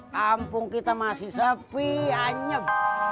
kampung kita masih sepi anyep